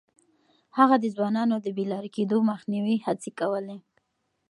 هغه د ځوانانو د بې لارې کېدو د مخنيوي هڅې کولې.